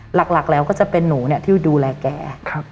หลักแล้วก็จะเป็นหนูที่ดูแลแก